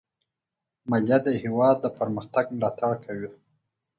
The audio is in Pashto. مالیه د هېواد پرمختګ ملاتړ کوي.